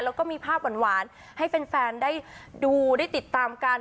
แล้วก็มีภาพหวานให้แฟนได้ดูได้ติดตามกัน